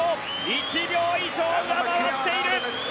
１秒以上上回っている！